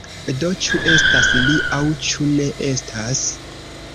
Do, ĉu estas li aŭ ĉu ne estas?